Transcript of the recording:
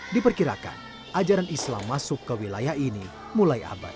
diperkirakan ajaran islam masuk ke wilayah ini mulai abad ke enam belas